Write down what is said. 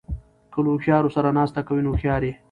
که له هوښیارو سره ناسته کوئ؛ نو هوښیار يې.